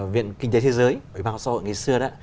viện kinh tế thế giới ủy ban xã hội ngày xưa đó